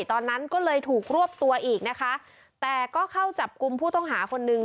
ตอนนั้นก็เลยถูกรวบตัวอีกนะคะแต่ก็เข้าจับกลุ่มผู้ต้องหาคนนึง